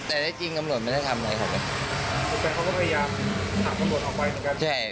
แต่ได้จริงตำรวจไม่ได้ทำร้ายเขาเลย